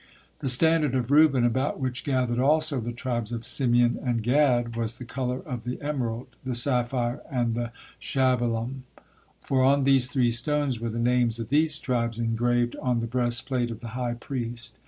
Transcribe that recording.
The standard of Reuben, about which gathered also the tribes of Simeon and Gad, was the color of the emerald, the sapphire, and the sabhalom, for on these three stones were the names of these tribes engraved on the breastplate of the high priest.